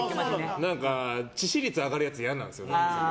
致死率上がるやつ嫌なんですよね。